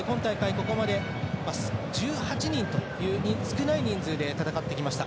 ここまで１８人という少ない人数で戦ってきました。